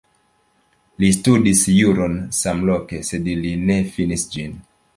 Li studis juron samloke, sed li ne finis ĝin.